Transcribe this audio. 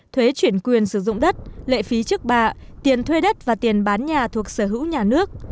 thuế chuyển quyền sử dụng đất lệ phí trước bạ tiền thuê đất và tiền bán nhà thuộc sở hữu nhà nước